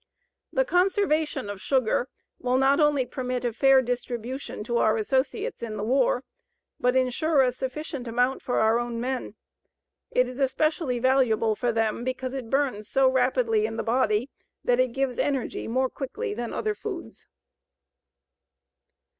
The conservation of sugar will not only permit a fair distribution to our associates in the war, but insure a sufficient amount for our own men. It is especially valuable for them because it burns so rapidly in the body that it gives energy more quickly than other foods.